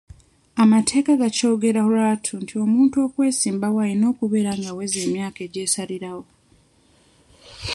Amateeka gakyogera lwatu nti omuntu okwesimbawo alina okubeera ng'aweza emyaka egy'esalirawo.